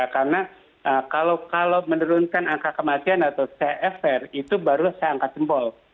karena kalau menurunkan angka kematian atau cfr itu baru saya angkat jempol